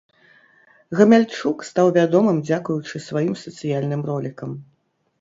Гамяльчук стаў вядомым дзякуючы сваім сацыяльным ролікам.